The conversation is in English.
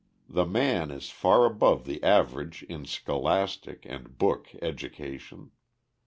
The man is far above the average in scholastic and book education.